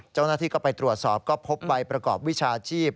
เจ้าหน้าที่ก็ไปตรวจสอบก็พบใบประกอบวิชาชีพ